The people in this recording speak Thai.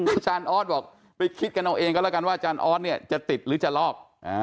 อาจารย์ออสบอกไปคิดกันเอาเองก็แล้วกันว่าอาจารย์ออสเนี่ยจะติดหรือจะลอก